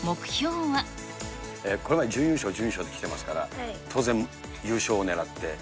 これまで準優勝、準優勝できてますから、当然優勝を狙って？